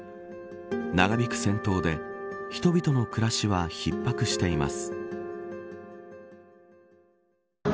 長引く戦闘で人々の暮らしは逼迫しています。